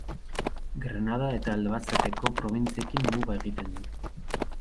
Granada eta Albaceteko probintziekin muga egiten du.